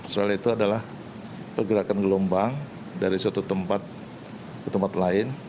soal itu adalah pergerakan gelombang dari suatu tempat ke tempat lain